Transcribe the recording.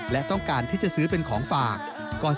และต้องการที่จะซื้อเป็นของฝาก